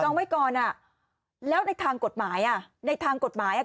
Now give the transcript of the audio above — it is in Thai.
ไว้ก่อนอ่ะแล้วในทางกฎหมายอ่ะในทางกฎหมายอ่ะ